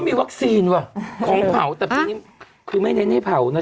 มีวัคซีนว่ะของเผาแต่ปีนี้คือไม่เน้นให้เผานะ